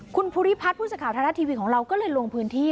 คุณภูริพัฒน์พูดสักข่าวธรรมดาทีวีของเราก็เลยลงพื้นที่